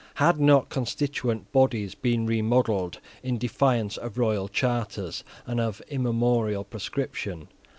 Had not constituent bodies been remodelled, in defiance of royal charters and of immemorial prescription?